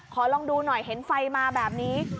ขอลองดูหน่อยเห็นไฟมาแบบนี้